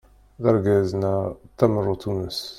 D argaz neɣ tameṛṛut uneṣ.